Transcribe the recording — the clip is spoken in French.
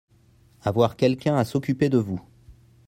Avoir quelqu'un à s'occuper de vous.